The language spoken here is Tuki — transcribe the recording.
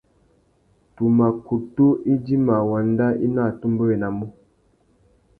Tu mà kutu idjima wanda i nú atumbéwénamú.